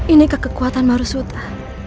ini kekuatan marusuta